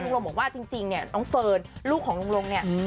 ลงบอกว่าจริงเนี่ยน้องเฟิร์นลูกของลุงลงเนี่ย